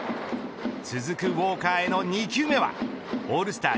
続くウォーカーへの２球目はオールスター